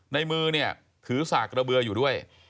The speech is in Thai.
ในมือเนี่ยถือสากระเบือนะคะ